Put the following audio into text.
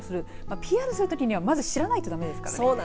ＰＲするときにはまず知らないとだめですからね。